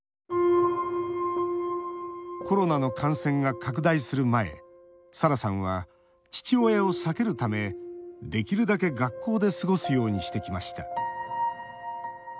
コロナの感染が拡大する前さらさんは、父親を避けるためできるだけ学校で過ごすようにしてきました。